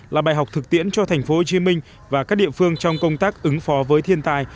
là bài học thực tiễn cho thành phố hồ chí minh và các địa phương trong công tác ứng phó với thiên tai